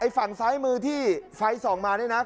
ฝั่งซ้ายมือที่ไฟส่องมานี่นะ